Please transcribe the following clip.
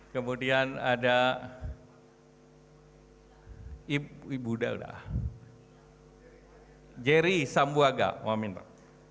kemudian ada jerry sambuaga maafin pak